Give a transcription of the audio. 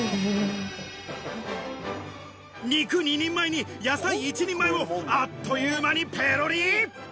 肉２人前に野菜一人前をあっという間にペロリ。